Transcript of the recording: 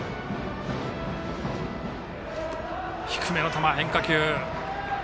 低めの球、変化球。